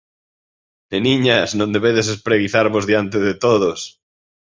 Neniñas, non debedes espreguizarvos diante de todos!